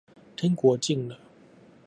天國近了